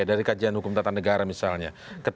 dari kajian hukum tata negara misalnya